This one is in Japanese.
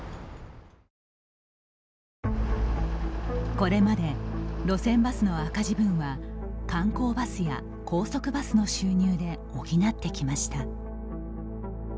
これまで路線バスの赤字分は観光バスや高速バスの収入で補ってきました。